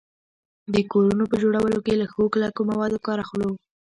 د کورونو په جوړولو کي له ښو کلکو موادو کار واخلو